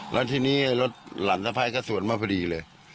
แล้วทีนี้รถหลานสะพ้ายก็สวนมาพอดีเลย